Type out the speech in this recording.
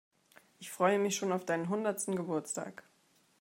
Ich freue mich schon auf deinen hundertsten Geburtstag.